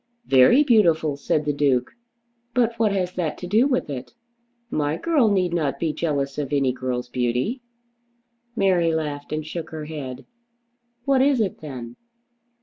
"Very beautiful," said the Duke. "But what has that to do with it? My girl need not be jealous of any girl's beauty." Mary laughed and shook her head. "What is it, then?"